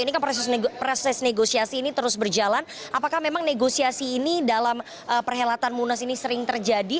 ini kan proses negosiasi ini terus berjalan apakah memang negosiasi ini dalam perhelatan munas ini sering terjadi